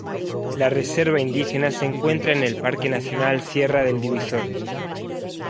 La reserva indígena se encuentra en el Parque nacional Sierra del Divisor.